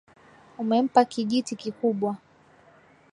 Umempa kijti kikubwa